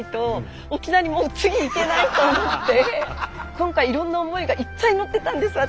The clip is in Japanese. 今回いろんな思いがいっぱい乗ってたんです私。